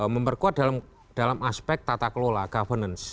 memperkuat dalam kondisi yang berbeda misalnya misalnya misalnya yang sekarang ini misalnya